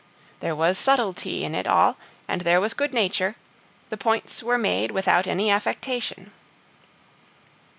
There was subtlety in it all, and there was good nature; the points were made without any affectation.